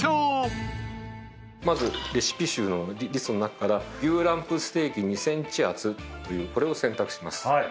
まずレシピ集のリストの中から牛ランプステーキ２ｃｍ厚というこれを選択します。